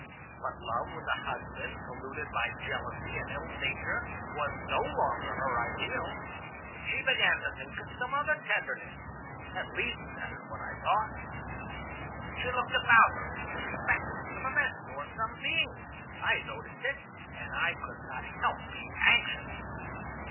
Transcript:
But love with a husband polluted by jealousy and ill nature was no longer her ideal. She began to think of some other tenderness; at least, that is what I thought. She looked about her as if expecting some event or some being. I noticed it, and I could not help being anxious.